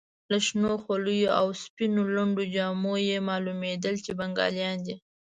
له شنو خولیو او سپینو لنډو جامو یې معلومېدل چې بنګالیان دي.